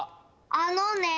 あのね